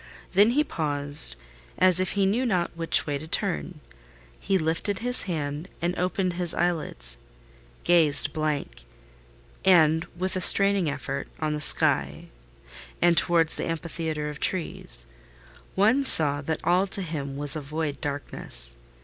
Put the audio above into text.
Then he paused, as if he knew not which way to turn. He lifted his hand and opened his eyelids; gazed blank, and with a straining effort, on the sky, and toward the amphitheatre of trees: one saw that all to him was void darkness.